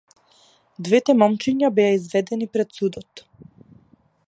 Двете момчиња беа изведени пред судот.